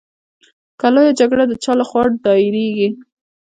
لویه جرګه د چا له خوا دایریږي؟